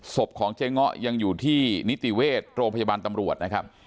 ศพของเจ๊ง้อยังอยู่ที่นิติเวชโรงพยาบาลตำรวจนะครับ